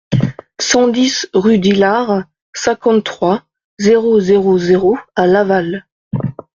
cent dix rue d'Hilard, cinquante-trois, zéro zéro zéro à Laval